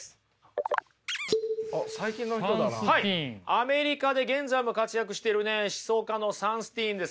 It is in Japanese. アメリカで現在も活躍してるね思想家のサンスティーンですよ。